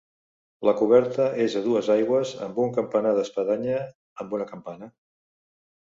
La coberta és a dues aigües amb un campanar d'espadanya amb una campana.